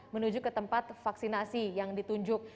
menuju ke tempat vaksinasi yang ditunjuk